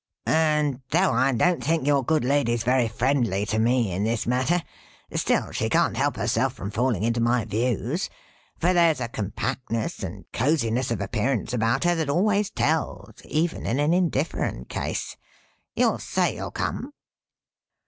And though I don't think your good lady's very friendly to me, in this matter, still she can't help herself from falling into my views, for there's a compactness and cosiness of appearance about her that always tells, even in an indifferent case. You'll say you'll come?"